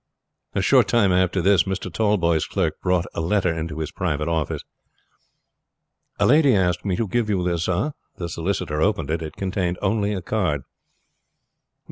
A short time after this Mr. Tallboys' clerk brought a letter into his private office. "A lady asked me to give you this, sir." The solicitor opened it. It contained only a card.